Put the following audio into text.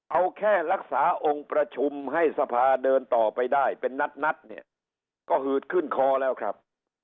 เอาแค่รักษาองค์ประชุมให้สภาเดินต่อไปได้เป็นนัดเนี่ยก็หืดขึ้นคอแล้วครับ